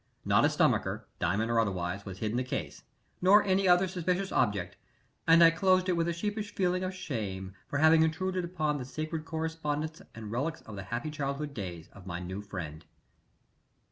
Not a stomacher, diamond or otherwise, was hid in the case, nor any other suspicious object, and I closed it with a sheepish feeling of shame for having intruded upon the sacred correspondence and relics of the happy childhood days of my new friend.